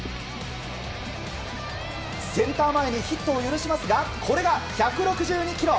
センター前にヒットを許しますがこれが１６２キロ！